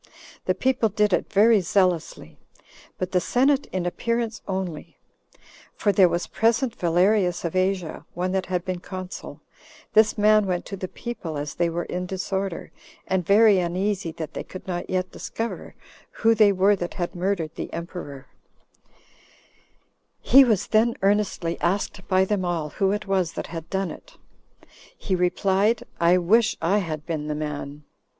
The people did it very zealously, but the senate in appearance only; for there was present Valerius of Asia, one that had been consul; this man went to the people, as they were in disorder, and very uneasy that they could not yet discover who they were that had murdered the emperor; he was then earnestly asked by them all who it was that had done it. He replied, "I wish I had been the man."